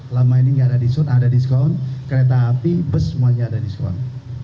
lama ini gak ada diskon ada diskon kereta api bus semuanya ada diskon